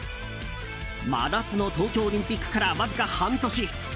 真夏の東京オリンピックからわずか半年。